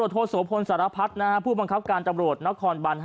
โทษโสพลสารพัฒน์ผู้บังคับการตำรวจนครบัน๕